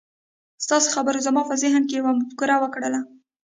ستاسې خبرو زما په ذهن کې يوه مفکوره وکرله.